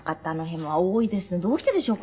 どうしてでしょう？